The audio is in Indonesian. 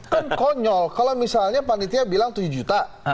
kan konyol kalau misalnya panitia bilang tujuh juta